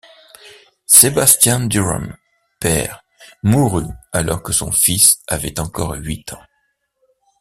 Sebastián Durón père mourut alors que son fils avait encore huit ans.